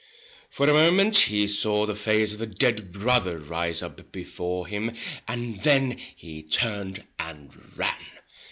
For a moment he saw the face of a dead brother rise up before him, and then he turned and ran.